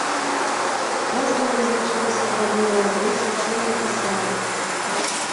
Ясна вызначыліся панурыя абрысы чорных асмалкаў.